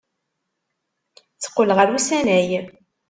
Teqqel ɣer usanay.